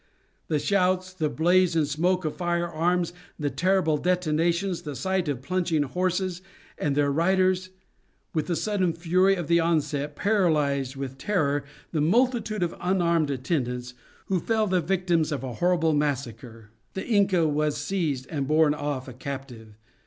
The shouts, the blaze and smoke of fire arms, the terrible detonations, the sight of plunging horses and their riders, with the sudden fury of the onset, paralyzed with terror the multitude of unarmed attendants, who fell the victims of a horrible massacre. The Inca was seized and borne off a captive.